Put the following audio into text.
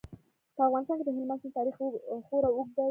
په افغانستان کې د هلمند سیند تاریخ خورا اوږد دی.